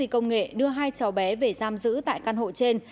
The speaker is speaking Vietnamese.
công nghệ đưa hai cháu bé về giam giữ tại căn hộ trên